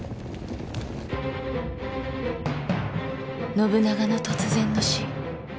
信長の突然の死。